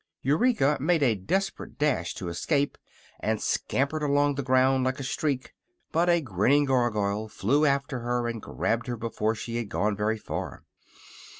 Eureka made a desperate dash to escape and scampered along the ground like a streak; but a grinning Gargoyle flew after her and grabbed her before she had gone very far.